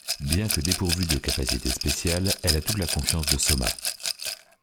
Bien que dépourvue de capacité spéciales, elle a toute la confiance de Soma.